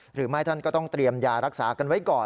หรือไม่ท่านก็ต้องเตรียมยารักษากันไว้ก่อน